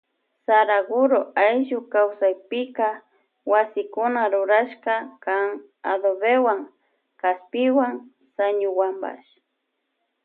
Saraguro ayllu kawsaypika wasikuna rurashka kan adobewan kaspiwan sañuwanpash.